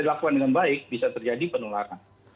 dilakukan dengan baik bisa terjadi penularan